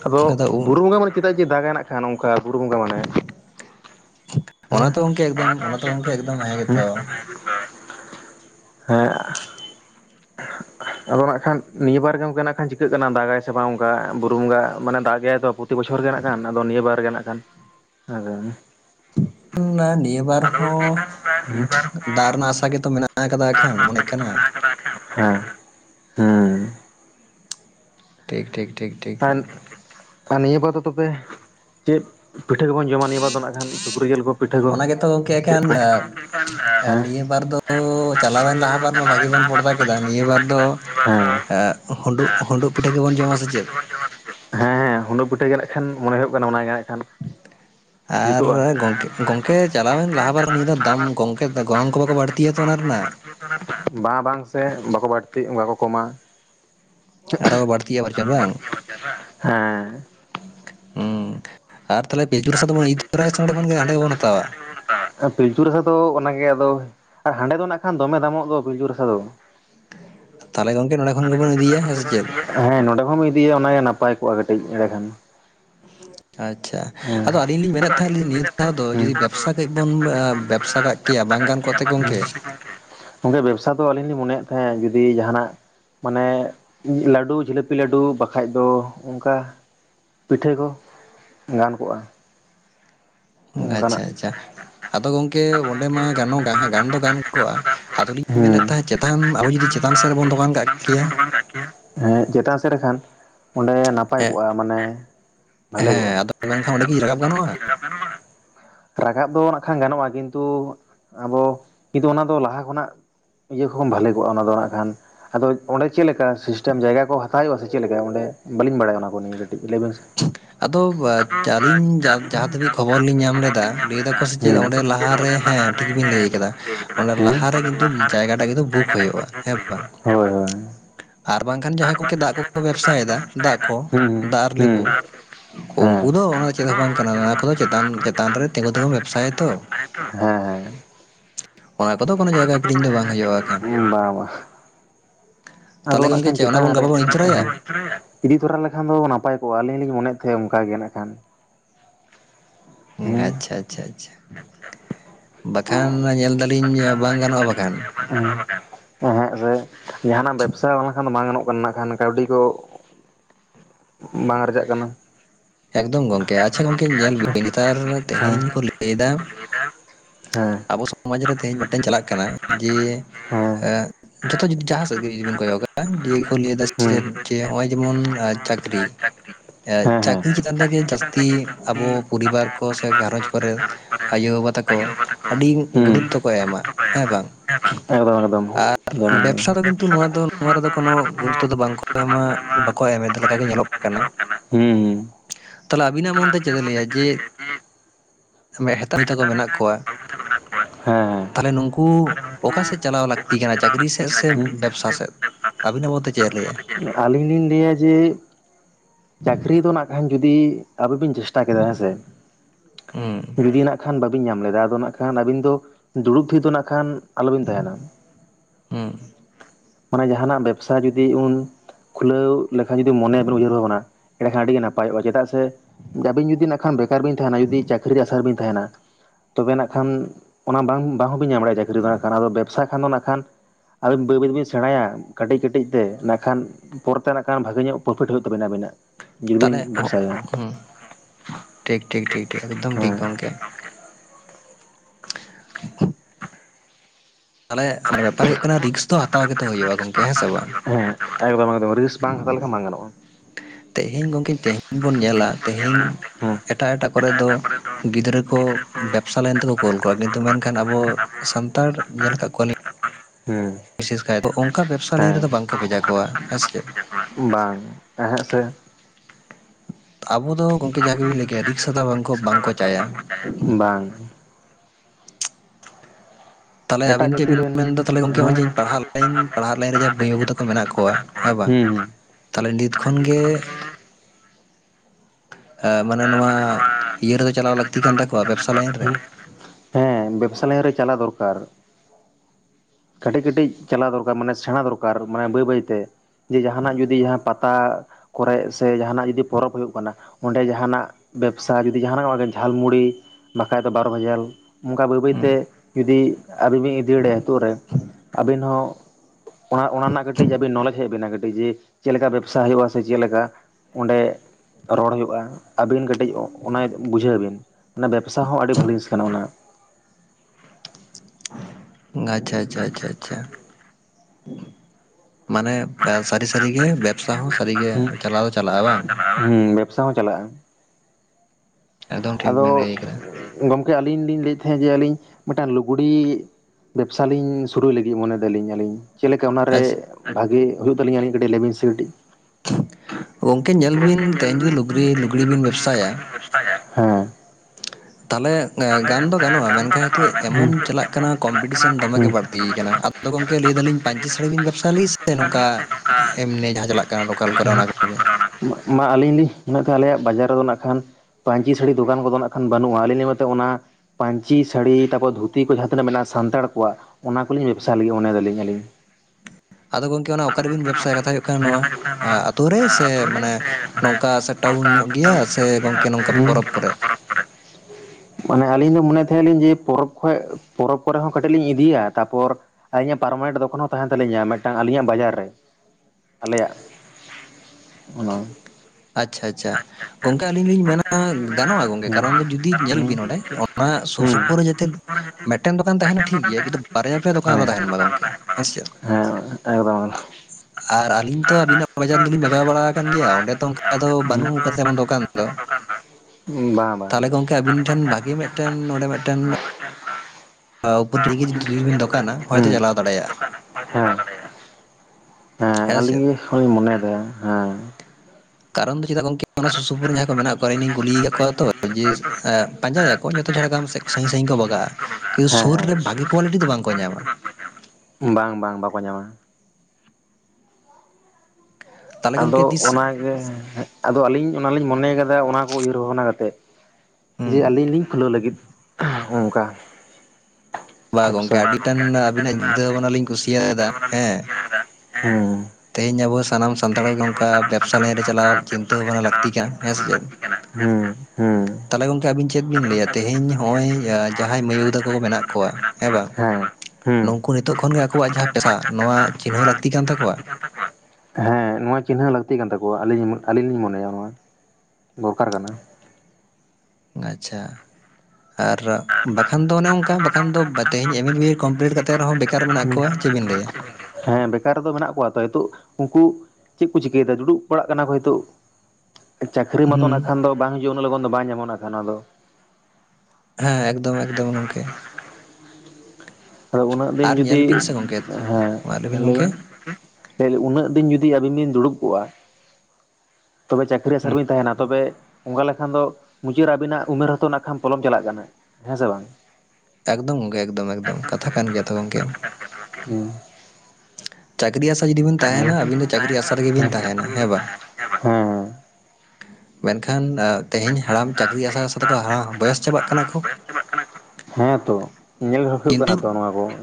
ᱟᱫᱚ ᱵᱩᱨᱩ ᱵᱚᱸᱜᱟ ᱢᱟᱱᱮ, ᱪᱮᱫᱟᱜ ᱡᱮ ᱫᱟᱜᱟᱭ ᱱᱟᱜ ᱠᱷᱟᱱ ᱱᱚᱝᱠᱟ ᱵᱩᱨᱩ ᱵᱚᱸᱜᱟ ᱢᱟᱱᱮ ᱚᱱᱟ ᱦᱮᱸ ᱛᱚ ᱾ ᱜᱚᱝᱠᱮ ᱮᱠᱫᱚᱢ ᱚᱱᱟ ᱛᱚ ᱜᱚᱢᱠᱮ ᱮᱠᱫᱚᱢ ᱦᱮᱸ ᱮᱠᱫᱚᱢ ᱾ ᱦᱮᱸ ᱾ ᱟᱫᱚ ᱱᱟᱜ ᱠᱷᱟᱱ ᱱᱤᱭᱟᱹ ᱵᱟᱨ ᱜᱮ ᱱᱟᱜᱟᱱ ᱪᱤᱠᱟᱹᱜ ᱠᱟᱱᱟ ᱫᱟᱜᱟᱭ ᱥᱮ ᱵᱟᱝ ᱚᱱᱠᱟ ᱵᱩᱨᱩᱵᱚᱸᱜᱟ ᱢᱟᱱᱮ ᱫᱟᱜᱟᱭ ᱛᱚ, ᱯᱨᱚᱛᱤ ᱵᱚᱪᱷᱚᱨ ᱜᱮ ᱱᱟᱜ ᱠᱷᱚᱱ ᱠᱟᱱ ᱟᱫᱚ ᱱᱤᱭᱟᱹ ᱵᱟᱨᱜᱮ ᱱᱟᱜ ᱠᱷᱟᱱ ᱟᱫᱚ ᱱᱤᱭᱟᱹ ᱵᱟᱨ ᱦᱚᱸ ᱫᱟᱜ ᱨᱮᱱᱟᱜ ᱟᱥᱟ ᱜᱮᱛᱚ ᱢᱮᱱᱟᱜ-ᱟ ᱾ ᱚᱱᱟ ᱠᱟᱫᱟ ᱠᱷᱟᱱ ᱢᱚᱱᱮ ᱠᱟᱱᱟᱼᱼ ᱦᱮᱸ ᱾ ᱦᱮᱸ ᱾ ᱴᱷᱤᱠ ᱴᱷᱤᱠ ᱴᱷᱤᱠ ᱴᱷᱤᱠ ᱟᱨ ᱟᱨ ᱱᱤᱭᱟᱹ ᱵᱟᱨ ᱫᱚ ᱛᱚᱵᱮ ᱪᱮᱫ ᱯᱤᱴᱷᱟᱹ ᱠᱚᱵᱚᱱ ᱡᱚᱢᱟ ᱱᱤ ᱾ ᱫᱚᱱᱟᱜ ᱠᱷᱟᱱ ᱥᱩᱠᱨᱤ ᱡᱤᱞ ᱠᱚ ᱯᱤᱴᱷᱟᱹ ᱠᱚ ᱚᱱᱟ ᱜᱮᱛᱚ ᱜᱚᱝᱠᱮ ᱪᱮᱫ ᱮᱠᱷᱟᱱ ᱠᱚ ᱦᱮᱸ [UNINTELLIGIBLE] ᱚ ᱪᱟᱞᱟᱣᱮᱱ ᱞᱟᱦᱟ ᱵᱟᱨ ᱢᱟ ᱵᱷᱟᱜᱤ ᱵᱚᱱ ᱯᱚᱲᱛᱟ ᱠᱮᱫᱟ ᱱᱤᱭᱟᱹ ᱵᱟᱨ ᱫᱚᱼᱼ ᱦᱮᱸ ᱦᱮᱸ ᱦᱩᱰᱩᱜ ᱦᱩᱰᱩᱜ ᱯᱤᱴᱷᱟᱹ ᱜᱮᱵᱚᱱ ᱡᱚᱢᱟ ᱥᱮ ᱪᱮᱫ? ᱦᱮᱸ ᱦᱩᱰᱩᱜ ᱯᱤᱴᱷᱟᱹ ᱜᱮ ᱱᱟᱜ ᱠᱷᱟᱱ ᱢᱚᱱᱮ ᱦᱩᱭᱩᱜ ᱠᱟᱱᱟ ᱚᱱᱟ ᱜᱮ ᱱᱟᱜ ᱠᱷᱟᱱ ᱾ ᱟᱨ ᱜᱚᱢᱠᱮ ᱜᱚᱝᱠᱮ ᱪᱟᱞᱟᱣᱮᱱ ᱞᱟᱦᱟ ᱵᱟᱨ ᱱᱤᱭᱟᱹ ᱫᱚ ᱫᱟᱢ ᱜᱚᱢᱠᱮ ᱜᱚᱝ ᱠᱚ ᱵᱟᱠᱚ ᱵᱟᱹᱲᱛᱤᱭᱟ ᱛᱚ ᱚᱱᱟ ᱨᱮᱱᱟᱜ ᱾ ᱚᱱᱟ ᱨᱮᱱᱟᱜ, ᱵᱟᱝ ᱵᱟᱝ ᱥᱮ ᱵᱟᱠᱚ ᱵᱟᱹᱲᱛᱤ ᱠᱟᱠᱚ ᱠᱚᱢᱟ ᱾ ᱟᱨᱚ ᱵᱟᱹᱲᱛᱤᱭᱟ ᱵᱟᱨᱪᱟ ᱵᱟᱝ? ᱦᱮᱸ᱾ ᱦᱩᱸ ᱟᱨ ᱛᱟᱦᱞᱮ ᱯᱤᱞᱪᱩ ᱨᱟᱥᱟ ᱫᱚᱵᱚᱱ ᱤᱫᱤ ᱛᱚᱨᱟᱭᱟ ᱥᱮ ᱚᱸᱰᱮ ᱠᱷᱚᱱ ᱜᱮ ᱥᱮ ᱦᱟᱸᱰᱮ ᱜᱮᱵᱚᱱ ᱦᱟᱛᱟᱣᱟ ᱾ ᱯᱤᱞᱪᱩ ᱨᱟᱥᱟ ᱫᱚ ᱚᱱᱟᱜᱮ ᱟᱫᱚ, ᱦᱟᱸᱰᱮ ᱫᱚ ᱱᱟᱜ ᱠᱷᱟᱱ ᱫᱚᱢᱮ ᱫᱟᱢᱚᱜ ᱫᱚ ᱯᱤᱞᱪᱩ ᱨᱟᱥᱟ ᱫᱚ ᱾ [UNINTELLIGIBLE] ᱛᱟᱦᱚᱞᱮ ᱜᱚᱝᱠᱮ ᱱᱚᱸᱰᱮ ᱠᱷᱚᱱ ᱜᱮᱵᱚᱱ ᱤᱫᱤᱭᱟ ᱦᱮᱸ ᱥᱮ ᱪᱮᱫ? ᱦᱮᱸ ᱱᱚᱸᱰᱮ ᱠᱷᱚᱱ ᱜᱮᱵᱚᱱ ᱤᱫᱤᱭᱟ ᱚᱱᱟ ᱜᱮ ᱱᱟᱯᱟᱭ ᱠᱚᱜᱼᱟ ᱠᱟᱹᱴᱤᱡ ᱮᱱᱟᱹ ᱠᱷᱟᱱ ᱾ ᱟᱪᱪᱷᱟ ᱟᱫᱚ ᱟᱹᱞᱤᱧ ᱞᱤᱧ ᱢᱮᱱᱮᱫ ᱛᱟᱦᱮᱱᱟ ᱱᱤᱭᱟᱹ ᱫᱷᱟᱣ ᱫᱚ ᱦᱮᱸ ᱡᱩᱫᱤ ᱵᱮᱵᱽᱥᱟ ᱠᱟᱹᱡ ᱵᱚᱱ ᱵᱮᱵᱥᱟ ᱠᱟᱜᱼᱼ ᱠᱮᱭᱟ ᱵᱟᱝ ᱜᱟᱱ ᱠᱚᱜ ᱛᱮ ᱜᱚᱝᱠᱮ? ᱜᱚᱝᱠᱮ ᱵᱮᱵᱽᱥᱟ ᱫᱚ ᱟᱹᱞᱤᱧ ᱞᱤᱧ ᱢᱚᱱᱮᱭᱮᱜ ᱛᱟᱦᱮᱸᱫ ᱡᱩᱫᱤ ᱡᱟᱦᱟᱸᱱᱟᱜ ᱢᱟᱱᱮ ᱞᱟᱹᱰᱩ ᱡᱷᱤᱞᱟᱹᱯᱤ ᱞᱟᱹᱰᱩ ᱵᱟᱠᱷᱟᱡ ᱫᱚ ᱚᱝᱠᱟ ᱯᱤᱴᱷᱟᱹ ᱠᱚ ᱾ ᱜᱟᱱ ᱠᱚᱜᱼᱟ ᱾ ᱟᱪᱪᱷᱟ ᱟᱪᱪᱷᱟ, ᱟᱫᱚ ᱜᱚᱝᱠᱮ ᱚᱸᱰᱮ ᱢᱟ ᱜᱟᱱᱚᱜ ᱦᱮᱸ ᱜᱟᱱ ᱫᱚ ᱜᱟᱱ ᱠᱚᱜᱼᱟ ᱾ ᱟᱫᱚᱞᱤᱧ ᱦᱮᱸ ᱢᱮᱱᱮᱫ ᱛᱟᱦᱮᱸᱫ ᱪᱮᱛᱟᱱ ᱟᱵᱚ ᱡᱩᱫᱤ ᱪᱮᱛᱟᱱ ᱥᱮᱫ ᱨᱮᱵᱚᱱ ᱫᱚᱠᱟᱱ ᱠᱟᱜ ᱠᱮᱭᱟ ᱾ ᱦᱮᱸ ᱪᱮᱛᱟᱱ ᱥᱮᱫ ᱠᱷᱟᱱ ᱚᱸᱰᱮ ᱱᱟᱯ ᱮᱸ ᱦᱮᱸ ᱟᱫᱚ ᱢᱮᱱᱠᱷᱟᱱ ᱚᱸᱰᱮᱠᱤ ᱨᱟᱠᱟᱵ ᱜᱟᱱᱚᱜᱼᱟ? ᱨᱟᱠᱟᱵ ᱫᱚ ᱱᱟᱜ ᱠᱷᱟᱱ ᱜᱟᱱᱚᱜᱼᱟ ᱠᱤᱱᱛᱩ ᱟᱵᱚ ᱠᱤᱱᱛᱩ ᱚᱱᱟ ᱫᱚ ᱞᱟᱦᱟ ᱠᱷᱚᱱᱟᱜ ᱤᱭᱟᱹ ᱠᱚᱦᱚᱢ ᱵᱷᱟᱞᱮ ᱠᱚᱜᱼᱟ ᱚᱱᱟᱫᱚ ᱱᱟᱜ ᱠᱷᱟᱱ ᱟᱫᱚ ᱚᱸᱰᱮ ᱪᱮᱫ ᱞᱮᱠᱟ ᱥᱤᱥᱴᱮᱢ ᱡᱟᱭᱜᱟ ᱠᱚ ᱦᱟᱛᱟᱣ ᱦᱩᱭᱩᱜᱼᱟ ᱥᱮ ᱪᱮᱫᱠᱟ ᱚᱸᱰᱮ ᱵᱟᱹᱞᱤᱧ ᱵᱟᱲᱟᱭᱟ ᱚᱱᱟ ᱠᱚ ᱱᱤᱭᱟᱹ ᱠᱟᱹᱴᱤᱡ ᱞᱟᱹᱭ ᱵᱮᱱᱥᱮ ᱾ ᱟᱫᱚ ᱵᱟ ᱪᱟᱹᱞᱤᱧ ᱡᱟ-ᱡᱟᱦᱟᱸ ᱫᱷᱟᱹᱵᱤᱡ ᱠᱷᱚᱵᱚᱨ ᱞᱤᱧ ᱧᱟᱢ ᱞᱮᱫᱟ, ᱞᱟᱹᱭ ᱫᱟᱠᱚ ᱥᱮ ᱪᱮᱫ ᱦᱩᱸ ᱚᱸᱰᱮ ᱞᱟᱦᱟᱨᱮ ᱦᱮᱸ ᱴᱷᱤᱠ ᱵᱤᱱ ᱞᱟᱹᱭ ᱠᱟᱫᱟ ᱾ ᱚᱸᱰᱮ ᱦᱮᱸ ᱞᱟᱦᱟᱨᱮ ᱠᱤᱱᱛᱩ ᱡᱟᱭᱜᱟᱴᱟᱜ ᱠᱤᱱᱛᱩ ᱵᱩᱠ ᱦᱩᱭᱩᱜᱼᱟ, ᱦᱮᱸ ᱵᱟᱝ ᱦᱳᱭ ᱦᱳᱭ ᱦᱩᱸ ᱾ ᱟᱨ ᱵᱟᱝᱠᱷᱟᱱ ᱡᱟᱦᱟᱸᱭ ᱠᱚᱝᱠᱮ ᱫᱟᱜ ᱠᱚᱠᱚ ᱵᱮᱵᱥᱟᱭᱮᱫᱟ ᱫᱟᱜ ᱠᱚ ᱦᱩᱸ ᱫᱟᱜ ᱞᱤᱵᱩ, ᱦᱮᱸ ᱦᱮᱸ ᱳᱝᱠᱳ ᱫᱚ ᱚᱱᱟ ᱫᱚ ᱪᱮᱫ ᱦᱚᱸ ᱵᱟᱝ ᱠᱟᱱᱟ ᱚᱱᱟᱠᱚᱫᱚ ᱪᱮᱛᱟᱱ ᱪᱮᱛᱟᱱ ᱨᱮ ᱛᱮᱸᱜᱩ ᱛᱮᱸᱜᱳᱢ ᱵᱮᱵᱽᱥᱟᱭᱟ ᱛᱚ ᱾ ᱚᱱᱟ ᱠᱚᱫᱚ ᱠᱳᱱᱳ ᱡᱟᱭᱜᱟ ᱠᱤᱨᱤᱧ ᱫᱚ ᱵᱟᱝ ᱦᱟᱠᱷᱟᱱ ᱾ ᱦᱮᱸ ᱵᱟᱝ ᱵᱟᱝ ᱟᱫᱚ ᱛᱟᱞᱦᱮ ᱱᱟᱜ ᱜᱚᱝᱠᱮ ᱠᱷᱟᱱ ᱪᱮᱜ ᱚᱱᱟ ᱵᱚᱱ ᱪᱮᱛᱟᱱ ᱨᱮ ᱜᱟᱯᱟ ᱵᱚᱱ ᱤᱫ ᱛᱚᱨᱟᱭᱟ? ᱤᱫᱤ ᱛᱚᱨᱟ ᱞᱮᱠᱷᱟᱱ ᱫᱚ ᱱᱟᱯᱟᱭ ᱠᱚᱜᱼᱟ ᱟᱹᱞᱤᱧ ᱞᱤᱧ ᱢᱚᱱᱭᱮᱫ ᱛᱟᱦᱮᱸᱫ ᱚᱝᱠᱟ ᱜᱮ ᱱᱟᱜ ᱠᱷᱟᱱ ᱾ ᱜᱟᱪᱪᱷᱟ ᱟᱪᱪᱷᱟ ᱟᱪᱪᱷᱟ ᱾ ᱵᱟᱠᱷᱟᱱ ᱚᱱᱟ ᱧᱮᱞ ᱫᱟᱞᱤᱧ ᱵᱟᱝ ᱜᱟᱱᱚᱜᱼᱟ ᱵᱟᱠᱷᱟᱱ ᱾ ᱦᱮᱸ ᱮᱸ ᱦᱮᱸᱜ ᱨᱮ ᱡᱟᱦᱟᱱᱟᱜ ᱵᱮᱵᱽᱥᱟ ᱵᱟᱝ ᱞᱮᱠᱷᱟᱱ ᱫᱚ ᱵᱟᱝ ᱜᱟᱱᱚᱜ ᱱᱟᱜ ᱠᱷᱟᱱ ᱠᱟᱹᱣᱰᱤ ᱠᱚ ᱵᱟᱝ ᱟᱨᱡᱟᱜ ᱠᱟᱱᱟ ᱾ ᱮᱠᱫᱚᱢ ᱜᱚᱝᱠᱮ, ᱟᱪᱪᱷᱟ ᱜᱚᱝᱠᱮ ᱧᱮᱞ ᱵᱤᱱ ᱱᱮᱛᱟᱨ ᱦᱮᱸ ᱛᱮᱦᱮᱧ ᱠᱚ ᱞᱟᱹᱭ ᱫᱟ ᱦᱮᱸ ᱾ ᱟᱵᱚ ᱥᱚᱢᱟᱡᱽ ᱨᱮ ᱛᱮᱦᱮᱧ ᱢᱤᱫᱴᱮᱱ ᱪᱟᱞᱟᱜ ᱠᱟᱱᱟ ᱡᱮ ᱦᱮᱸ ᱮᱸ ᱡᱚᱛᱚ ᱡᱩᱫᱤ ᱡᱟᱦᱟᱸ ᱥᱮᱫ ᱜᱮ ᱡᱩᱫᱤᱵᱤᱱ ᱠᱚᱭᱚᱜᱟ ᱡᱮ ᱠᱚ ᱞᱟᱹᱭᱫᱟ ᱥᱮ ᱦᱩᱸ ᱪᱮᱫ ᱡᱮ ᱦᱚᱜᱼᱚᱭ ᱡᱮᱢᱚᱱ ᱟ ᱪᱟᱠ ᱠᱨᱤ ᱮ ᱦᱮᱸ ᱦᱮᱸ ᱪᱟᱹᱠᱨᱤ ᱪᱮᱛᱟᱱ ᱛᱮᱜᱮ ᱡᱟᱹᱥᱛᱤ ᱟᱵᱚ ᱯᱚᱨᱤᱵᱟᱨ ᱠᱚ ᱥᱮ ᱜᱷᱟᱨᱚᱸᱡᱽ ᱠᱚᱨᱮᱫ ᱟᱭᱳᱵᱟᱵᱟ ᱛᱟᱠᱚ ᱟᱹᱰᱤ ᱦᱩᱸ ᱜᱩᱨᱩᱛᱛᱚ ᱠᱚ ᱮᱢᱟ ᱦᱮᱸ ᱵᱟᱝ? ᱮᱠᱫᱚᱢ ᱮᱠᱫᱚᱢ ᱡᱮᱢᱚᱱ ᱟᱨ ᱦᱩᱸ ᱦᱮᱸ ᱦᱮᱸ ᱵᱮᱵᱽᱥᱟ ᱫᱚ ᱠᱤᱱᱛᱩ ᱱᱚᱣᱟ ᱫᱚ ᱱᱚᱣᱟ ᱨᱮᱫᱚ ᱠᱳᱱᱳ ᱜᱩᱨᱩᱛᱛᱚ ᱫᱚ ᱵᱟᱝ ᱠᱚ ᱮᱢᱟ ᱵᱟᱠᱚ ᱮᱢᱮᱫ ᱞᱮᱠᱟ ᱜᱮ ᱧᱮᱞᱚᱜ ᱠᱟᱱᱟ ᱾ ᱦᱩᱸ ᱦᱩᱸ ᱾ ᱛᱟᱦᱚᱞᱮ ᱟᱵᱤᱱᱟᱜ ᱢᱚᱱᱛᱮ ᱪᱮᱫᱼᱮ ᱞᱟᱹᱭᱟ ᱡᱮ ᱢᱮᱜ [UNINTELLIGIBLE] ᱛᱟ ᱠᱚ ᱢᱮᱱᱟᱜ ᱠᱚᱣᱟ ᱛᱟᱦᱚᱞᱮ ᱱᱩᱝᱠᱩ ᱚᱠᱟᱥᱮᱜ ᱪᱟᱞᱟᱣ ᱞᱟᱠ ᱛᱤ ᱠᱟᱱᱟ ᱪᱟᱹᱠᱨᱤ ᱥᱮᱫ ᱥᱮ ᱵᱮᱵᱽᱥᱟ ᱥᱮᱫ, ᱟᱹᱵᱤᱱᱟᱜ ᱢᱚᱛᱮ ᱪᱮᱜᱼᱮ ᱞᱟᱹᱭᱟ? ᱟᱹᱞᱤᱧ ᱞᱤᱧ ᱞᱟᱹᱭᱟ ᱡᱮ [INAUDIBLE] ᱪᱟᱹᱠᱷᱨᱤ ᱫᱚ ᱱᱟᱜ ᱠᱷᱟᱱ ᱡᱩᱫᱤ ᱟᱵᱤ ᱵᱤ ᱪᱮᱥᱴᱟ ᱠᱮᱫᱟ ᱦᱮᱸᱥᱮ, ᱦᱩᱸ ᱡᱩᱫᱤ ᱱᱟᱜ ᱠᱷᱟᱱ ᱵᱟᱵᱤᱱ ᱧᱟᱢ ᱞᱮᱫᱟ ᱟᱫᱚ ᱱᱟᱜ ᱠᱷᱟᱱ ᱟᱵᱤᱱ ᱫᱚ ᱫᱩᱲᱩᱵ ᱛᱷᱤᱨ ᱫᱚ ᱱᱟᱜ ᱠᱷᱟᱱ ᱟᱞᱚᱵᱤᱱ ᱛᱟᱦᱮᱱᱟ ᱾ ᱦᱩᱸ ᱾ ᱢᱟᱱᱮ ᱡᱟᱦᱟᱱᱟᱜ ᱵᱮᱵᱽᱥᱟ ᱡᱩᱫᱤ ᱩᱱ ᱠᱷᱩᱞᱟᱹᱣ ᱞᱮᱠᱷᱟᱱ ᱡᱩᱫᱤ ᱢᱚᱱᱮ ᱟᱵᱤᱱ ᱩᱭᱦᱟᱹᱨ ᱵᱷᱵᱟᱱᱟ ᱾ ᱮᱸᱰᱮᱠᱷᱟᱱ ᱟᱹᱰᱤᱜᱮ ᱱᱟᱯᱟᱭᱚᱜᱼᱟ ᱪᱮᱫᱟᱜ ᱥᱮ ᱟᱹᱵᱤᱱ ᱡᱩᱫᱤ ᱱᱟᱸᱜ ᱠᱷᱟᱱ ᱵᱮᱠᱟᱨ ᱵᱤᱱ ᱛᱟᱦᱮᱸᱱᱟ ᱡᱩᱫᱤ ᱪᱟᱹᱠᱨᱤ ᱟᱥᱟ ᱨᱮ ᱵᱤᱱ ᱛᱟᱦᱮᱸᱱᱟ ᱛᱚᱵᱮ ᱱᱟᱜ ᱠᱷᱟᱱ ᱚᱱᱟ ᱵᱟᱝ ᱵᱟᱝ ᱦᱚᱸᱵᱤᱱ ᱧᱟᱢ ᱫᱟᱲᱮᱜ ᱪᱟᱹᱠᱨᱤ ᱫᱚ ᱠᱟᱱᱟ ᱫᱚ ᱵᱮᱵᱽᱥᱟ ᱠᱷᱟᱱ ᱫᱚ ᱱᱟᱜ ᱠᱷᱟᱱ ᱟᱫᱚ ᱵᱟᱹᱭ ᱵᱟᱹᱭ ᱛᱮᱵᱤᱱ ᱥᱮᱬᱟᱭᱟ ᱠᱟᱹᱴᱤᱡ ᱠᱟᱹᱴᱤᱡ ᱛᱮ ᱱᱟᱜ ᱠᱷᱟᱱ ᱯᱚᱨᱛᱮ ᱱᱟᱜ ᱠᱷᱟᱱ ᱵᱷᱟᱜᱮ ᱧᱚᱜ ᱯᱨᱚᱯᱷᱤᱴ ᱦᱩᱭᱩᱜ ᱛᱟᱵᱤᱱᱟ ᱟᱵᱤᱱᱟᱜ᱾ ᱛᱟᱞᱦᱮ ᱦᱚᱸᱜ ᱦᱩᱸ, ᱴᱷᱤᱠ ᱴᱷᱤᱠ ᱴᱷᱤᱠ ᱴᱷᱤᱠ ᱮᱠᱫᱚᱢ ᱴᱷᱤᱠ ᱜᱚᱢᱠᱮ᱾ [INAUDIBLE] ᱛᱟᱦᱞᱮ ᱢᱟᱱᱮ ᱵᱮᱯᱟᱨ ᱦᱩᱭᱩᱜ ᱠᱟᱱᱟ ᱨᱤᱠᱥ ᱫᱚ ᱦᱟᱛᱟᱣ ᱜᱮᱛᱚ ᱦᱩᱭᱩᱜᱼᱟ ᱜᱚᱝᱠᱮ ᱦᱮᱸ ᱥᱮ ᱵᱟᱝ? ᱦᱮᱸ ᱮᱠᱫᱚᱢ ᱮᱠᱫᱚᱢ ᱨᱤᱠᱥ ᱵᱟᱝ ᱦᱟᱛᱟᱣ ᱞᱮᱠᱷᱟᱱ ᱵᱟᱝ ᱜᱟᱱᱚᱜᱼᱟ᱾ ᱛᱮᱦᱮᱧ ᱜᱚᱢᱠᱮ ᱛᱮᱦᱮᱧ ᱵᱚᱱ ᱧᱮᱞᱟ ᱛᱮᱦᱮᱧ ᱦᱩᱸ᱾ ᱮᱴᱟᱜ ᱮᱴᱟᱜ ᱠᱚᱨᱮ ᱫᱚ ᱜᱤᱫᱽᱨᱟᱹ ᱠᱚ ᱵᱮᱵᱥᱟ ᱞᱟᱭᱤᱱ ᱛᱮᱠᱚ ᱠᱳᱞ ᱠᱚᱣᱟ, ᱠᱤᱱᱛᱩ ᱢᱮᱱᱠᱷᱟᱱ ᱟᱵᱚ ᱥᱟᱱᱛᱟᱲ ᱧᱮᱞ ᱟᱠᱟᱫ ᱠᱚᱣᱟ ᱞᱤᱧ ᱦᱮᱸ᱾ ᱵᱤᱥᱮᱥ ᱠᱟᱭ ᱫᱚ ᱚᱝᱠᱟ ᱵᱮᱵᱽᱥᱟ ᱞᱟᱭᱤᱱ ᱦᱮᱸ ᱨᱮᱫᱚ ᱵᱟᱝᱠᱚ ᱵᱷᱮᱡᱟ ᱠᱚᱣᱟ ᱦᱮᱸᱥᱮ ᱪᱮᱫ? ᱵᱟᱝ ᱮᱸᱦᱮᱜ ᱥᱮ᱾ ᱟᱵᱚ ᱫᱚ ᱜᱚᱝᱠᱮ ᱡᱟ ᱜᱮᱵᱤᱱ ᱞᱟᱹᱭ ᱠᱮᱭᱟ ᱨᱤᱠᱥ ᱦᱟᱛᱟᱣ ᱵᱟᱝᱠᱚ ᱵᱟᱝᱠᱚ ᱪᱟᱭᱟ᱾ ᱵᱟᱝ᱾ ᱛᱟᱞᱮ ᱮᱴᱟᱜ ᱟᱵᱤᱱ ᱡᱟᱹᱛᱤ ᱪᱮᱜᱵᱤᱱ ᱨᱮᱱ ᱢᱮᱱᱫᱟ ᱛᱟᱦᱞᱮ ᱜᱚᱝᱠᱮ ᱦᱮᱸ ᱚᱭ ᱡᱮᱧ ᱯᱟᱲᱦᱟᱜ ᱞᱟᱭᱤᱱ ᱯᱟᱲᱦᱟᱜ ᱞᱟᱭᱤᱱ ᱨᱮ ᱡᱟᱦᱟᱸ ᱢᱟᱹᱭ ᱵᱟᱹᱵᱩ ᱛᱟᱠᱚ ᱢᱮᱱᱟᱜ ᱠᱚᱣᱟ, ᱦᱩᱸ ᱦᱩᱸ᱾ ᱛᱟᱦᱞᱮ ᱱᱤᱛ ᱠᱷᱚᱱ ᱜᱮ ᱮ ᱢᱟᱱᱮ ᱱᱚᱣᱟ ᱤᱭᱟᱹ ᱨᱮᱫᱚ ᱪᱟᱞᱟᱣ ᱞᱟᱹᱠᱛᱤ ᱠᱟᱱ ᱛᱟᱠᱚᱣᱟ ᱵᱮᱵᱽᱥᱟ ᱞᱟᱭᱤᱱ ᱨᱮ? ᱦᱮᱸ ᱵᱮᱵᱽᱥᱟ ᱞᱟᱭᱤᱱ ᱨᱮ ᱪᱟᱞᱟᱜ ᱫᱚᱨᱠᱟᱨ᱾ ᱠᱟᱹᱴᱤᱡ ᱠᱟᱹᱴᱤᱡ ᱪᱟᱞᱟᱣ ᱫᱚᱨᱠᱟᱨ ᱢᱟᱱᱮ ᱥᱮᱬᱟ ᱫᱚᱨᱠᱟᱨ ᱢᱟᱱᱮ ᱵᱟᱹᱭ ᱵᱟᱹᱭᱛᱮ᱾ ᱡᱮ ᱡᱟᱦᱟᱸᱱᱟᱜ ᱡᱚᱫᱤ ᱡᱟᱦᱟᱸ ᱯᱟᱛᱟ ᱠᱚᱨᱮ ᱥᱮ ᱡᱟᱦᱟᱸᱱᱟᱜ ᱡᱚᱫᱤ ᱯᱚᱨᱚᱵᱽ ᱦᱩᱭᱩᱜ ᱠᱟᱱᱟ, ᱚᱸᱰᱮ ᱡᱟᱦᱟᱸᱱᱟᱜ ᱵᱮᱵᱽᱥᱟ ᱡᱩᱫᱤ ᱡᱟᱦᱟᱸᱱᱟᱜ ᱡᱷᱟᱞᱢᱩᱲᱤ ᱵᱟᱠᱟᱡ ᱫᱚ ᱵᱟᱨᱚ ᱵᱷᱟᱡᱟᱞ ᱚᱱᱠᱟ ᱵᱟᱹᱭ ᱵᱟᱹᱭᱛᱮ ᱡᱩᱫᱤ ᱟᱵᱤ ᱵᱤ ᱤᱫᱤ ᱫᱟᱲᱟᱭᱟᱜᱼᱟ ᱦᱤᱛᱚᱜ ᱨᱮ ᱟᱵᱤᱱ ᱦᱚᱸ ᱚᱱᱟ ᱚᱱᱟ ᱨᱮᱱᱟᱜ ᱠᱟᱹᱴᱤᱡ ᱟᱹᱵᱤᱱ ᱱᱚᱞᱮᱡ ᱦᱮᱡ ᱵᱤᱱᱟ ᱠᱟᱹᱴᱤᱡ ᱡᱮ ᱪᱮᱫ ᱞᱮᱠᱟ ᱵᱮᱵᱽᱥᱟ ᱦᱳᱭᱳᱜᱼᱟ, ᱥᱮ ᱪᱮᱜ ᱞᱮᱠᱟ ᱚᱸᱰᱮ ᱨᱚᱲ ᱦᱩᱭᱩᱜᱼᱟ ᱟᱹᱵᱤᱱ ᱠᱟᱹᱴᱤᱡ ᱚᱱᱟ ᱵᱩᱡᱷᱟᱹᱣ ᱵᱤᱱ᱾ ᱚᱱᱟ ᱵᱮᱵᱽᱥᱟ ᱦᱚᱸ ᱟᱹᱰᱤ ᱵᱷᱟᱞᱤ ᱡᱤᱱᱤᱥ ᱠᱟᱱᱟ ᱚᱱᱮ᱾ ᱟᱪᱪᱷᱟ ᱪᱷᱟ ᱪᱷᱟ ᱟᱪᱪᱷᱟ ᱢᱟᱱᱮ ᱥᱟᱹᱨᱤ ᱥᱟᱹᱨᱤᱜᱮ ᱵᱮᱵᱽᱥᱟ ᱦᱚᱸ ᱥᱟᱹᱨᱤᱜᱮ ᱦᱩᱸ ᱪᱟᱞᱟᱣ ᱫᱚ ᱪᱟᱞᱟᱜᱼᱟ ᱵᱟᱝ? ᱦᱩᱸ ᱵᱮᱵᱽᱥᱟ ᱦᱚᱸ ᱪᱟᱞᱟᱜᱼᱟ᱾ ᱮᱠᱫᱚᱢ ᱴᱷᱤᱠ ᱟᱫᱚ ᱵᱤᱱ ᱞᱟᱹᱭ ᱠᱟᱫᱟ ᱜᱚᱢᱠᱮ ᱟᱹᱞᱤᱧ ᱞᱤᱧ ᱞᱟᱹᱭᱮᱫ ᱛᱟᱦᱮᱸᱫ ᱡᱮ ᱟᱹᱞᱤᱧ ᱢᱤᱫᱴᱟᱱ ᱞᱩᱜᱽᱲᱤ ᱵᱮᱵᱽᱥᱟ ᱞᱤᱧ ᱥᱩᱨᱩᱭ ᱞᱟᱹᱜᱤᱫ ᱢᱚᱱᱮ ᱫᱟᱞᱤᱧ ᱟᱹᱞᱤᱧ᱾ ᱪᱮᱫ ᱞᱮᱠᱟ ᱚᱱᱟᱨᱮ ᱟᱪᱪᱷᱟ ᱵᱷᱟᱜᱮ ᱦᱩᱭᱩᱜ ᱛᱟᱹᱞᱤᱧᱟ ᱟᱹᱞᱤᱧ ᱠᱟᱹᱴᱤᱡ ᱞᱟᱹᱭᱵᱤᱱ ᱥᱤ ᱠᱟᱹᱴᱤᱡ᱾ ᱜᱚᱝᱠᱮ ᱧᱮᱞ ᱵᱤᱱ ᱛᱮᱦᱮᱧ ᱡᱩᱫᱤ ᱞᱩᱜᱽᱲᱤ ᱞᱩᱜᱽᱲᱤ ᱵᱤᱱ ᱵᱮᱵᱥᱟᱭᱟ ᱦᱮᱸ᱾ ᱛᱟᱞᱦᱮ ᱛᱟᱦᱚᱞᱮ ᱜᱟᱱ ᱫᱚ ᱜᱟᱱᱚᱜᱼᱟ ᱜᱟᱱ ᱫᱚ ᱢᱮᱱᱠᱷᱟᱱ ᱜᱟᱱᱚᱜᱼᱟ ᱦᱤᱛᱚᱜ ᱢᱮᱱᱠᱷᱟᱱ ᱮᱢᱚᱱ ᱪᱟᱞᱟᱜ ᱠᱟᱱᱟ ᱠᱟᱱᱟ ᱠᱚᱢᱯᱤᱴᱤᱥᱮᱱ ᱫᱚᱢᱮᱜ ᱜᱮ ᱠᱚᱢᱯᱤᱴᱤᱥᱮᱱ ᱵᱟᱹᱲᱛᱤ ᱠᱟᱱᱟ ᱟ ᱛᱚ ᱜᱚᱢᱠᱮ ᱞᱟᱹᱭ ᱟᱫᱚ ᱫᱟᱞᱤᱧ ᱯᱟᱹᱧᱪᱤ ᱥᱟᱹᱲᱤ ᱵᱤᱱ ᱵᱮᱵᱽᱥᱟᱭ ᱞᱤᱥ ᱥᱮ ᱱᱚᱝᱠᱟ ᱱᱚᱝᱠᱟ ᱥᱮ ᱮᱢᱱᱤ ᱡᱟᱦᱟᱸ ᱪᱟᱞᱟᱜ ᱠᱟᱱᱟ ᱞᱳᱠᱟᱞ ᱠᱚᱨᱮ ᱚᱱᱟ ᱠᱚᱜᱮ? ᱢᱟ ᱟᱹᱞᱤᱧ ᱞᱤᱧ ᱢᱮᱱᱮᱜ ᱠᱷᱟᱡ ᱟᱞᱮᱭᱟᱜ ᱵᱟᱡᱟᱨ ᱨᱮᱫᱚ ᱱᱟᱜ ᱠᱷᱟᱱ ᱯᱟᱹᱧᱪᱤ ᱥᱟᱹᱲᱤ ᱫᱚᱠᱟᱱ ᱠᱚᱫᱚ ᱱᱟᱜ ᱠᱷᱟᱱ ᱵᱟᱹᱱᱩᱜᱼᱟ ᱟᱹᱞᱤᱧ ᱞᱤᱧ ᱛᱚ ᱚᱱᱟ ᱯᱟᱹᱧᱪᱤ ᱥᱟᱹᱲᱤ ᱛᱟᱯᱚᱨ ᱫᱷᱩᱛᱤ ᱠᱚ ᱡᱟᱦᱟᱸ ᱛᱤᱱᱟᱹᱜ ᱢᱮᱱᱟᱜᱼᱟ ᱥᱟᱱᱛᱟᱲ ᱠᱚᱣᱟᱜ ᱚᱱᱟ ᱠᱚᱞᱤᱧ ᱵᱮᱵᱽᱥᱟ ᱞᱟᱹᱜᱤᱫ ᱚᱱᱮ ᱫᱟᱞᱤᱧ ᱟᱹᱞᱤᱧ᱾ ᱟᱫᱚ ᱜᱚᱝᱠᱮ ᱚᱱᱟ ᱚᱠᱟᱨᱮᱵᱮᱱ ᱵᱮᱵᱽᱥᱟᱭᱟ ᱠᱟᱛᱷᱟ ᱦᱩᱭᱩᱜ ᱠᱟᱱᱟ ᱱᱚᱣᱟ, ᱟᱛᱳ ᱨᱮ ᱥᱮ ᱢᱟᱱᱮ ᱱᱚᱝᱠᱟ ᱥᱮ ᱴᱟᱣᱩᱱ ᱧᱚᱜ ᱜᱮᱭᱟ ᱥᱮ ᱜᱚᱝᱠᱮ ᱱᱚᱝᱠᱟ ᱯᱚᱨᱚᱵᱽ ᱠᱚ ᱨᱮᱜ? ᱢᱟᱱᱮ ᱟᱞᱤᱧ ᱫᱚ ᱢᱚᱱᱮ ᱛᱟᱦᱮᱸᱜ ᱞᱤᱧ ᱡᱮ ᱯᱚᱨᱚᱵ ᱠᱷᱚᱡ ᱯᱚᱨᱚᱵᱽ ᱠᱚᱨᱮ ᱦᱚᱸ ᱠᱟᱹᱴᱤᱡ ᱞᱤᱧ ᱤᱫᱤᱭᱟ, ᱛᱟᱯᱚᱨ ᱟᱹᱞᱤᱧᱟᱹᱜ ᱯᱟᱨᱢᱟᱱᱮᱱᱴ ᱫᱚᱠᱟᱱ ᱦᱚᱸ ᱛᱟᱦᱮᱱ ᱛᱟᱹᱞᱤᱧᱟ ᱢᱤᱫᱴᱟᱝ ᱟᱹᱞᱤᱧᱟᱜ ᱵᱟᱡᱟᱨ ᱨᱮ, ᱟᱞᱮᱭᱟᱜ ᱾ ᱚᱱᱟ! ᱟᱪᱪᱷᱟ ᱟᱪᱪᱷᱟ, ᱜᱚᱝᱠᱮ ᱟᱞᱤᱧ ᱞᱤᱧ ᱢᱮᱱᱟ ᱜᱟᱱᱚᱜᱼᱟ ᱜᱚᱝᱠᱮ ᱠᱟᱨᱚᱱ ᱫᱚ ᱡᱩᱫᱤ ᱧᱮᱞ ᱵᱤᱱ ᱱᱚᱰᱮ ᱚᱱᱟ ᱥᱩᱨ ᱥᱩᱯᱩᱨ ᱨᱮ ᱡᱟᱛᱮ ᱢᱮᱴ ᱴᱮᱱ ᱫᱚᱠᱟᱱ ᱛᱟᱦᱮᱱᱟ ᱴᱷᱤᱠ ᱜᱮᱭᱟ, ᱠᱤᱱᱛᱩ ᱵᱟᱨᱭᱟ ᱯᱮᱭᱟ ᱫᱚᱠᱟᱱ ᱟᱞᱚ ᱛᱟᱦᱮᱱ ᱢᱟ ᱜᱚᱝᱠᱮ ᱦᱮᱸᱥᱮ ᱪᱮᱫ? ᱦᱮᱸ, ᱮᱠᱫᱚᱢ ᱾ ᱟᱨ ᱟᱹᱞᱤᱧ ᱛᱚ ᱟᱵᱤᱱᱟᱜ ᱵᱟᱡᱟᱨ ᱫᱩᱞᱤᱧ ᱵᱟᱜᱟᱣ ᱵᱟᱲᱟ ᱟᱠᱟᱱ ᱜᱮᱭᱟ, ᱚᱸᱰᱮ ᱛᱚ ᱚᱱᱠᱟ ᱟᱫᱚ ᱦᱩᱸ ᱵᱟᱹᱱᱩᱜ ᱠᱟᱥᱮᱵᱚᱱ ᱫᱚᱠᱟᱱ ᱫᱚ, ᱵᱟᱝ ᱵᱟᱝ ᱛᱟᱦᱚᱞᱮ ᱜᱚᱝᱠᱮ ᱟᱵᱤᱱ ᱴᱷᱮᱱ ᱵᱷᱟᱜᱮ ᱢᱮᱫᱴᱮᱱ ᱱᱚᱰᱮ ᱢᱤᱫᱴᱮᱱ ᱟ ᱩᱯᱚᱨ ᱨᱮᱜᱮ ᱡᱩᱫᱤ ᱵᱤᱱ ᱫᱚᱠᱟᱱᱟ ᱦᱩᱸ ᱦᱚᱭᱛᱚ ᱪᱟᱞᱟᱣ ᱫᱟᱲᱮᱭᱟᱜᱼᱟ! ᱦᱮᱸ ᱦᱮᱸ, ᱟᱞᱤᱧ ᱜᱮᱠᱷᱚ ᱤᱧ ᱢᱚᱱᱮᱭᱮᱫᱟ, ᱦᱮᱸ ᱾ ᱠᱟᱨᱚᱱ ᱫᱚ ᱪᱮᱫᱟᱜ ᱜᱚᱝᱠᱮ ᱚᱱᱟ ᱥᱩᱨ ᱥᱩᱯᱩᱨ ᱨᱮᱱ ᱡᱟᱦᱟᱸᱭ ᱠᱚ ᱢᱮᱱᱟᱜ ᱠᱚᱣᱟ ᱟᱞᱤᱧ ᱞᱤᱧ ᱠᱩᱞᱤᱭᱟ ᱠᱟᱫ ᱠᱚᱣᱟ ᱛᱚ ᱡᱮ ᱮᱸ ᱯᱟᱸᱡᱟᱭᱟᱠᱚ ᱡᱚᱛᱚ ᱡᱷᱟᱲᱜᱨᱟᱢ ᱥᱮᱫ ᱥᱟᱺᱜᱤᱧ ᱥᱟᱺᱜᱤᱧ ᱠᱚ ᱵᱟᱜᱟᱜᱼᱟ ᱾ ᱦᱮᱸ ᱦᱮᱸ [INAUDIBLE] ᱵᱟᱝ ᱵᱟᱝ ᱵᱟᱠᱚ ᱧᱟᱢᱟ ᱾ ᱛᱟᱦᱚᱞᱮ ᱟᱫᱚ ᱜᱚᱝᱠᱮ ᱛᱤᱥ ᱚᱱᱟᱜᱮ ᱟᱫᱚ ᱟᱹᱞᱤᱧ ᱚᱱᱟᱞᱤᱧ ᱢᱚᱱᱮ ᱠᱟᱫᱟ ᱚᱱᱟ ᱠᱚ ᱩᱭᱦᱟᱹᱨ ᱵᱷᱟᱵᱽᱱᱟ ᱠᱟᱛᱮᱫ ᱾ ᱡᱮ ᱦᱩᱸ ᱟᱹᱞᱤᱧ ᱞᱤᱧ ᱠᱷᱩᱞᱟᱹᱣ ᱞᱟᱹᱜᱤᱫ ᱦᱚᱸ ᱚᱝᱠᱟ ᱾ ᱵᱟᱝ ᱜᱚᱝᱠᱮ ᱟᱹᱰᱤᱴᱟᱱ ᱟᱵᱤᱱᱟᱜ ᱡᱩᱫᱟᱹ ᱵᱷᱟᱵᱽᱱᱟ ᱞᱤᱧ ᱠᱩᱥᱤᱭᱟᱫᱟ ᱦᱮᱸ ᱾ ᱦᱮᱸ ᱾ ᱛᱮᱦᱮᱧ ᱟᱵᱚ ᱥᱟᱱᱟᱢ ᱥᱟᱱᱛᱟᱲ ᱠᱚ ᱜᱮ ᱱᱚᱝᱠᱟ ᱵᱮᱵᱽᱥᱟ ᱞᱟᱹᱭᱤᱱ ᱨᱮ ᱪᱟᱞᱟᱣ ᱪᱤᱱᱛᱟᱹ ᱵᱷᱟᱵᱽᱱᱟ ᱞᱟᱹᱠᱛᱤ ᱠᱟᱱᱟ, ᱦᱮᱸ ᱥᱮ ᱪᱮᱫ? ᱦᱩᱸ ᱦᱩᱸ ᱾ ᱛᱟᱦᱚᱞᱮ ᱜᱚᱢᱠᱮ ᱟᱹᱵᱤᱱ ᱪᱮᱫ ᱵᱤᱱ ᱞᱟᱹᱭᱟ ᱛᱮᱦᱮᱧ ᱦᱚᱜᱼᱚᱭ ᱡᱟᱦᱟᱸᱭ ᱢᱟᱹᱭ ᱵᱟᱹᱩ ᱛᱟᱠᱚᱠᱚ ᱢᱮᱱᱟᱜ ᱠᱚᱣᱟ, ᱦᱮᱸ ᱵᱟᱝ ᱾ ᱦᱩᱸ ᱱᱩᱝᱠᱩ ᱱᱤᱛᱚᱜ ᱠᱷᱚᱱᱜᱮ ᱟᱠᱚᱣᱟᱜ ᱡᱟᱦᱟᱸ ᱯᱮᱥᱟ ᱱᱚᱶᱟ ᱪᱤᱱᱦᱟᱹᱣ ᱞᱟᱹᱠᱛᱤ ᱠᱟᱱ ᱛᱟᱠᱚᱣᱟ? ᱦᱮᱸ, ᱱᱚᱣᱟ ᱪᱤᱱᱦᱟᱹᱣ ᱞᱟᱹᱠᱛᱤ ᱠᱟᱱ ᱛᱟᱠᱚᱣᱟ ᱟᱹᱞᱤ ᱟᱹᱞᱤᱧ ᱞᱤᱧ ᱢᱚᱱᱮᱭᱟ ᱱᱚᱣᱟ ᱫᱚᱨᱠᱟᱨ ᱠᱟᱱᱟ ᱾ ᱟᱪᱪᱷᱟ ᱾ ᱟᱨ ᱵᱟᱠᱷᱟᱱ ᱫᱚ ᱚᱱᱮ ᱚᱝᱠᱟ ᱵᱟᱠᱷᱟᱱ ᱫᱚ ᱛᱮᱦᱤᱧ ᱮᱢ ᱮ ᱵᱤᱭᱮ ᱠᱚᱢᱯᱞᱤᱴ ᱠᱟᱛᱮᱜ ᱨᱮᱦᱚᱸ ᱵᱮᱠᱟᱨ ᱢᱮᱱᱟᱜ ᱠᱚᱣᱟ ᱪᱮᱜᱵᱤᱱ ᱞᱟᱹᱭᱟ? ᱦᱮᱸ, ᱵᱮᱠᱟᱨ ᱫᱚ ᱢᱮᱱᱟᱜ ᱠᱚᱣᱟ ᱛᱚ ᱱᱤᱛᱚᱜ ᱩᱝᱠᱩ ᱪᱮᱫ ᱠᱚ ᱪᱤᱠᱟᱹᱭᱮᱫᱟ ᱫᱩᱲᱩᱵ ᱵᱟᱲᱟᱜ ᱠᱟᱱᱟ ᱠᱚ ᱦᱤᱛᱚᱜ ᱾ ᱪᱟᱹᱠᱷᱨᱤ ᱢᱟᱛᱚ ᱱᱟᱜ ᱦᱩᱸ ᱠᱷᱟᱱ ᱫᱚ ᱵᱟᱝ ᱦᱤᱡᱩᱜᱼᱟ ᱩᱱᱟᱹᱜ ᱞᱚᱜᱚᱱ ᱫᱚ ᱵᱟᱝ ᱧᱟᱢᱚᱜᱼᱟ ᱠᱷᱟᱱ ᱚᱱᱟ ᱫᱚ ᱾ ᱦᱮᱸ ᱮᱠᱫᱚᱢ ᱮᱠᱫᱚᱢ ᱜᱚᱢᱠᱮ ᱾ ᱟᱫᱚ ᱩᱱᱟᱹᱜ ᱫᱤᱱ ᱟᱨ ᱡᱩᱫᱤ ᱧᱮᱞ ᱵᱤᱱ ᱥᱮ ᱜᱚᱢᱠᱮ ᱦᱮᱸ ᱢᱟ ᱞᱟᱹᱭᱵᱤᱱ ᱞᱟᱹᱭᱵᱮᱱ ᱜᱚᱢᱠᱮ ᱾ ᱛᱟᱦᱚᱞᱮ ᱩᱱᱟᱹᱜ ᱫᱤᱱ ᱡᱩᱫᱤ ᱟᱹᱵᱤᱱ ᱵᱤᱱ ᱫᱩᱲᱩᱵ ᱠᱚᱜᱼᱟ, ᱛᱚᱵᱮ ᱪᱟᱹᱠᱷᱨᱤ ᱟᱥᱟ ᱨᱮᱵᱤᱱ ᱛᱟᱦᱮᱱᱟ ᱛᱚᱵᱮ ᱚᱝᱠᱟ ᱞᱮᱠᱷᱟᱱ ᱫᱚ ᱢᱩᱪᱟᱹᱜ ᱨᱮ ᱟᱵᱤᱱᱟᱜ ᱩᱢᱮᱨ ᱦᱚᱸᱛᱚ ᱱᱟᱜ ᱠᱷᱟ ᱯᱚᱞᱚᱢ ᱪᱟᱞᱟᱜ ᱠᱟᱱᱟ, ᱦᱮᱸ ᱥᱮ ᱵᱟᱝ! ᱮᱠᱫᱚᱢ ᱜᱚᱢᱠᱮ, ᱮᱠᱫᱚᱢ ᱮᱠᱫᱚᱢ ᱠᱟᱛᱷᱟ ᱠᱟᱱ ᱜᱮᱭᱟ ᱛᱚ ᱜᱚᱝᱠᱮ ᱾ ᱦᱮᱸ ᱾ ᱪᱟᱹᱠᱨᱤ ᱟᱥᱟ ᱡᱩᱫᱤᱵᱤᱱ ᱪᱟᱹᱠᱨᱤ ᱟᱥᱟ ᱨᱮ ᱡᱩᱫᱤᱵᱤᱱ ᱛᱟᱦᱮᱱᱟ ᱟᱵᱤᱱ ᱦᱚᱸ ᱪᱟᱹᱠᱨᱤ ᱟᱥᱟ ᱦᱮᱸ ᱨᱮᱜᱤᱵᱤᱱ ᱵᱟᱝ ᱛᱟᱸᱦᱮᱱᱟ ᱦᱮᱸ ᱵᱟᱝ? ᱦᱮᱸ ᱦᱮᱸ ᱾ ᱢᱮᱱᱠᱷᱟᱱ ᱟ ᱛᱮᱦᱮᱧ ᱦᱟᱲᱟᱢ ᱪᱟᱹᱠᱨᱤ ᱟᱥᱟ ᱟᱥᱟ ᱛᱮᱠᱚ ᱦᱟᱲᱟ ᱵᱚᱭᱮᱥ ᱪᱟᱵᱟᱜ ᱠᱟᱱᱟ ᱠᱚ ᱾ ᱦᱮᱸᱛᱚ ᱧᱮᱞ ᱦᱩ-ᱦᱩᱭᱩᱜ ᱠᱟᱱᱟ ᱛᱚ ᱱᱚᱶᱟ ᱠᱚ ᱾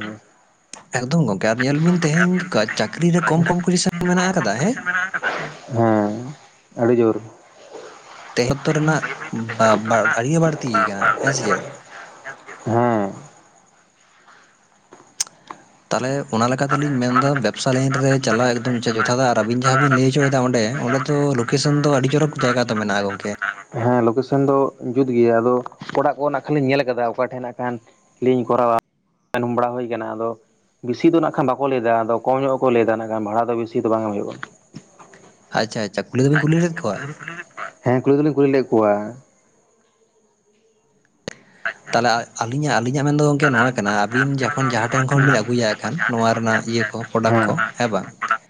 ᱮᱠᱫᱚᱢ ᱜᱚᱝᱠᱮ ᱟᱨ ᱧᱮᱞ ᱵᱤᱱ ᱛᱮᱦᱮᱧ ᱠᱚ ᱪᱟᱹᱠᱨᱤ ᱨᱮ ᱠᱚᱢ ᱠᱚᱢ ᱯᱩᱭᱥᱟ ᱢᱮᱱᱟᱜ ᱟᱠᱟᱫᱟ, ᱦᱮᱸ! ᱦᱮᱸ, ᱟᱹᱲᱤ ᱡᱳᱨ ᱾ ᱛᱮ ᱚᱠᱛᱚ ᱨᱮᱱᱟᱜ ᱵᱟ ᱵᱟ ᱟᱹᱰᱤᱜᱮ ᱵᱟᱹᱲᱛᱤᱭ ᱠᱟᱱᱟ, ᱦᱮᱸᱥᱮ ᱪᱮᱫ? ᱦᱮᱸ ᱾ ᱛᱟᱦᱚᱞᱮ ᱚᱱᱟ ᱞᱮᱠᱟᱛᱮᱞᱤᱧ ᱢᱮᱱ ᱫᱟ ᱵᱮᱵᱽᱥᱟ ᱞᱤᱱ ᱨᱮ ᱪᱟᱟᱜ ᱮᱠᱫᱚᱢ ᱡᱚᱛᱷᱟᱛ ᱟᱨ ᱟᱵᱤᱱ ᱡᱟᱦᱟᱸ ᱵᱤᱱ ᱞᱟᱹᱭ ᱚᱪᱚᱭᱫᱟ ᱚᱸᱰᱮ ᱚᱸᱰᱮ ᱫᱚ ᱞᱳᱠᱮᱥᱚᱱ ᱫᱚ ᱟᱹᱰᱤ ᱡᱚᱨᱚᱠ ᱡᱟᱭᱜᱟ ᱛᱚ ᱢᱮᱱᱟᱜᱼᱟ ᱜᱚᱝᱠᱮ᱾ ᱦᱮᱸ ᱞᱳᱠᱮᱥᱚᱱ ᱫᱚ ᱡᱩᱛ ᱜᱮᱭᱟ ᱟᱫᱚ ᱚᱲᱟᱜ ᱠᱚ ᱱᱟᱜᱟᱜ ᱠᱷᱟᱹᱞᱤᱧ ᱧᱮᱞ ᱟᱠᱟᱫᱟ ᱚᱠᱟ ᱴᱷᱮᱱ ᱱᱟᱜ ᱠᱷᱟᱱ ᱞᱤᱧ ᱠᱚᱨᱟᱣᱟ, ᱟᱸᱡᱚᱢ ᱵᱟᱲᱟ ᱦᱩᱭ ᱠᱟᱱᱟ, ᱟᱫᱚ ᱵᱮᱥᱤ ᱫᱚ ᱱᱟᱸᱜ ᱠᱷᱟᱱ ᱵᱟᱠᱚ ᱞᱟᱹᱭᱮᱫᱟ ᱟᱫᱚ ᱠᱚᱢ ᱧᱚᱜ ᱜᱮᱠᱚ ᱞᱟᱹᱭᱮᱫᱟ ᱱᱟᱜ ᱠᱷᱟᱱ ᱵᱷᱟᱲᱟ ᱫᱚ ᱵᱤᱥᱤ ᱫᱚ ᱵᱟᱝ ᱮᱢ ᱦᱩᱭᱩᱜ-ᱟ᱾ ᱟᱪᱪᱟ ᱟᱪᱪᱟ ᱠᱷᱩᱞᱤ ᱠᱩᱞᱤ ᱞᱮᱫ ᱠᱚᱣᱟ ᱦᱮᱸ ᱠᱩᱞᱤ ᱫᱚᱞᱤᱧ ᱠᱩᱞᱤ ᱞᱮᱫ ᱠᱚᱣᱟ, ᱛᱟᱦᱞᱮ ᱟᱹᱞᱤᱧᱟᱜ ᱟᱹᱞᱤᱧᱟᱜ ᱢᱮᱱᱫᱚ ᱜᱚᱢᱠᱮ ᱱᱚᱣᱟ ᱠᱟᱱᱟ ᱟᱹᱵᱤᱱ ᱡᱚ ᱠᱷᱚᱱ ᱡᱟᱦᱟᱸ ᱴᱷᱮᱱ ᱠᱷᱚᱱ ᱵᱤᱱ ᱟᱹᱜᱩᱭᱟ ᱦᱟᱠᱷᱟᱱ ᱱᱚᱣᱟ ᱨᱮᱱᱟᱜ ᱤᱭᱟᱹ ᱠᱚ ᱯᱨᱚᱰᱟᱠᱴ ᱠᱚ ᱦᱮᱸ ᱵᱟᱝ?